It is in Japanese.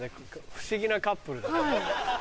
不思議なカップル。